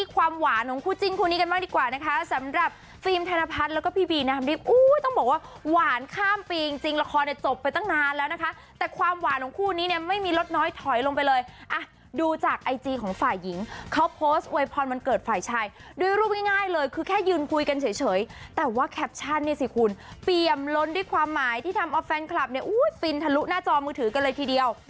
ความหวานของคู่จิ้งคู่นี้กันบ้างดีกว่านะคะสำหรับฟรีม